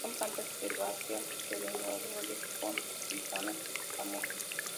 Son plantas herbáceas, perennifolias con rizomas escamosos.